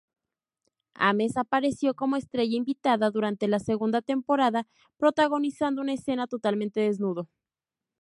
Ames apareció como estrella invitada durante la segunda temporada, protagonizando una escena totalmente desnudo.